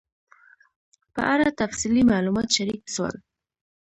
په اړه تفصیلي معلومات شریک سول